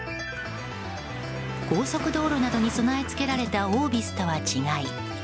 高速道路などに備え付けられたオービスとは違い